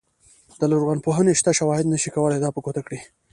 د لرغونپوهنې شته شواهد نه شي کولای دا په ګوته کړي.